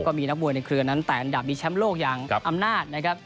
ก็มีนักมวยในเครือนั้นแต่อันดับมีแชมป์โลกอย่างอำนาจนะครับ